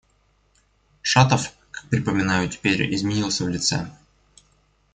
Шатов, как припоминаю теперь, изменился в лице.